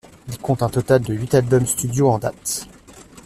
Ils comptent un total de huit albums studio en date.